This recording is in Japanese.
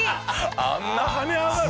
あんな跳ね上がる？